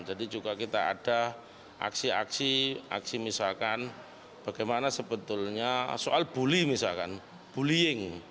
jadi juga kita ada aksi aksi aksi misalkan bagaimana sebetulnya soal bully misalkan bullying